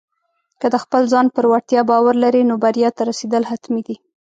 که د خپل ځان پر وړتیا باور لرې، نو بریا ته رسېدل حتمي دي.